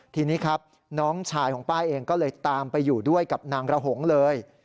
ทีนี้ครับน้องชายของป้าเองก็เลยตามไปอยู่ด้วยกับนางระหงเลย